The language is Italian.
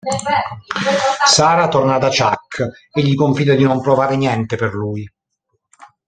Sarah torna da Chuck e gli confida di non provare niente per lui.